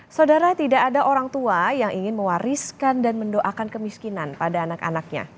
saudara tidak ada orang tua yang ingin mewariskan dan mendoakan kemiskinan pada anak anaknya